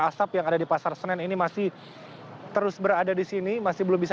asap yang ada di pasar senen ini masih terus berada di sini masih belum bisa